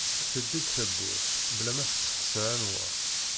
Teldi-d tawwurt bla ma testeqsa anwa.